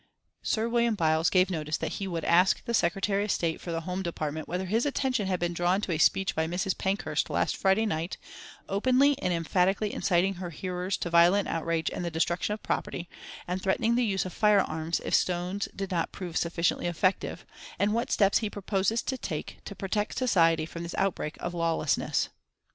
Sir William Byles gave notice that he would "ask the Secretary of State for the Home Department whether his attention had been drawn to a speech by Mrs. Pankhurst last Friday night, openly and emphatically inciting her hearers to violent outrage and the destruction of property, and threatening the use of firearms if stones did not prove sufficiently effective; and what steps he proposes to take to protect Society from this outbreak of lawlessness."